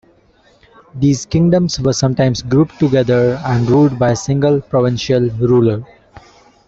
These kingdoms were sometimes grouped together and ruled by a single, provincial ruler.